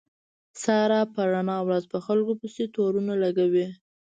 ساره په رڼا ورځ په خلکو پسې تورو نه لګوي.